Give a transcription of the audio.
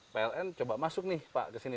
pln coba masuk nih pak ke sini